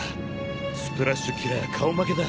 『スプラッシュキラー』顔負けだ。